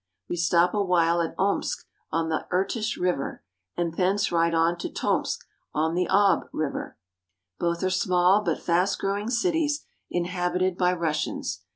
We stop awhile at Omsk on the Irtish River, and thence ride on to Tomsk on the Ob (6b). Both are small but fast growing cities, inhabited by Russians.